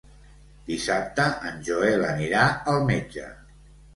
Dissabte en Joel anirà al metge.